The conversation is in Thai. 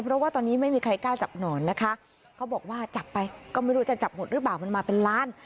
เพราะว่าตอนนี้ไม่มีใครกล้าจับหนอนนะคะเขาบอกว่าจับไปก็ไม่รู้จะจับหมดหรือเปล่ามันมาเป็นล้าน